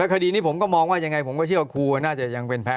คดีนี้ผมก็มองว่ายังไงผมก็เชื่อว่าครูน่าจะยังเป็นแพ้